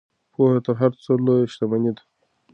پوهه تر هر څه لویه شتمني ده.